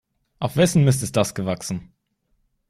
Auf wessen Mist ist das gewachsen?